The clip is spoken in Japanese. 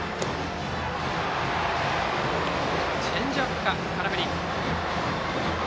チェンジアップを空振り。